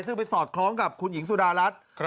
ซึ่งไปสอดคล้องกับคุณหญิงสุดารัฐ